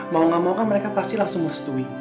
mau nggak mau kan mereka pasti langsung merestui